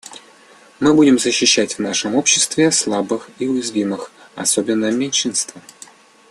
Мы будем защищать в нашем обществе слабых и уязвимых, особенно меньшинства.